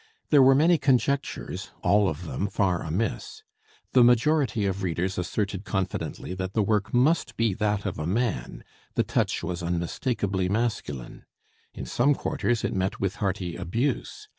There were many conjectures, all of them far amiss. The majority of readers asserted confidently that the work must be that of a man; the touch was unmistakably masculine. In some quarters it met with hearty abuse.